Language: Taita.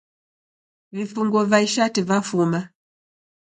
Vifunguo va ishati vafuma